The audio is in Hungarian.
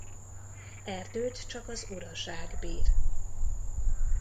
Erdőt csak az uraság bir.